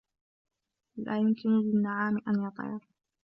لا يمكن للنعام أن يطير.